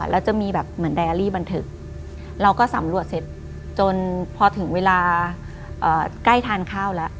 แล้วจะมีแบบเหมือนไดอารี่บันทึกเราก็สำรวจเสร็จจนพอถึงเวลาใกล้ทานข้าวแล้ว